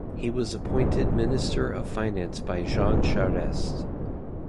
He was appointed Minister of Finance by Jean Charest.